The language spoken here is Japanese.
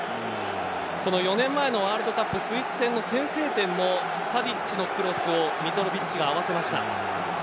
４年前のワールドカップスイス戦の先制点もタディッチのクロスをミトロヴィッチが合わせました。